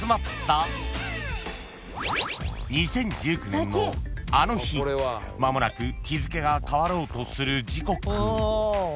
［２０１９年のあの日間もなく日付が変わろうとする時刻］